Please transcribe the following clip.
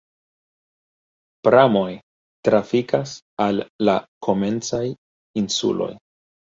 Pramoj trafikas al la komencaj insuloj.